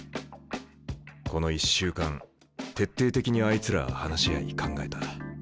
この１週間徹底的にあいつらは話し合い考えた。